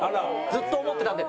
ずっと思ってたんで。